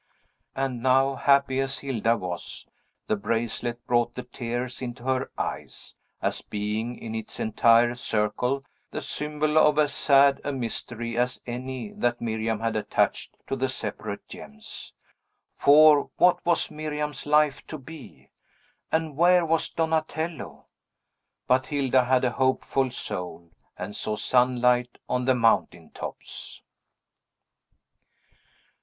And now, happy as Hilda was, the bracelet brought the tears into her eyes, as being, in its entire circle, the symbol of as sad a mystery as any that Miriam had attached to the separate gems. For, what was Miriam's life to be? And where was Donatello? But Hilda had a hopeful soul, and saw sunlight on the mountain tops.